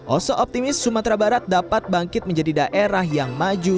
oso optimis sumatera barat dapat bangkit menjadi daerah yang maju